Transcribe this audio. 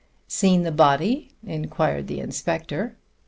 "Seen the body?" inquired the inspector.